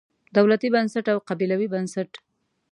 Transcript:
دولتي بنسټ او قبیلوي بنسټ.